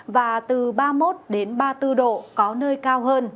và từ ba mươi một ba mươi bốn độ có nơi gió giật mạnh